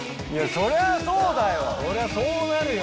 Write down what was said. そりゃそうなるよ。